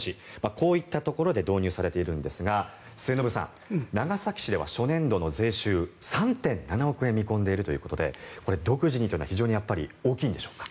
こういったところで導入されているんですが末延さん、長崎市では初年度の税収３．７億円を見込んでいるということでこれ、独自にというのは非常に大きいんでしょうか。